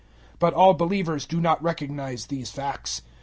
008:007 But all believers do not recognize these facts.